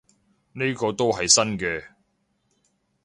呢個都係新嘅